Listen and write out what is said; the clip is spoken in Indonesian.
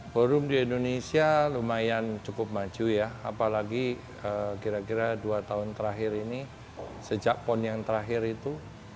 forum di indonesia lumayan cukup maju ya apalagi kira kira dua tahun terakhir ini sejak pon yang terakhir itu